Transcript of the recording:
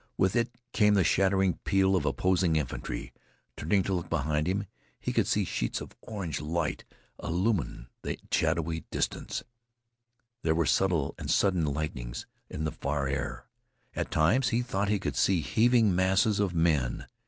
With it came the shattering peal of opposing infantry. Turning to look behind him, he could see sheets of orange light illumine the shadowy distance. There were subtle and sudden lightnings in the far air. At times he thought he could see heaving masses of men.